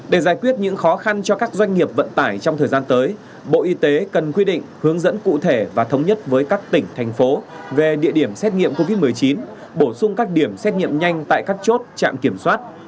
để giải quyết những khó khăn cho các doanh nghiệp vận tải trong thời gian tới bộ y tế cần quy định hướng dẫn cụ thể và thống nhất với các tỉnh thành phố về địa điểm xét nghiệm covid một mươi chín bổ sung các điểm xét nghiệm nhanh tại các chốt trạm kiểm soát